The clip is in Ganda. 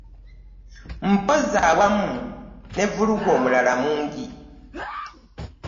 Mpozzi awamu ne vvulugu omulala mungi.